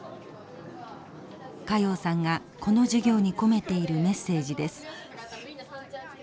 加用さんがこの授業に込めているメッセージです。